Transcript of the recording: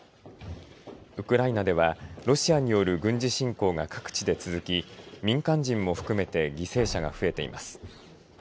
ウクライナではロシアによる軍事侵攻が各地で続き民間人も含めて犠牲者が増えています。